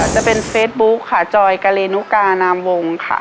จะเป็นเฟซบุ๊คค่ะจอยกะเลนุกานามวงค่ะ